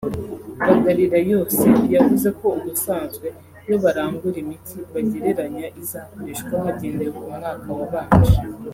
Bagarirayose yavuze ko ubusanzwe iyo barangura imiti bagereranya izakoreshwa hagendewe ku mwaka wabanje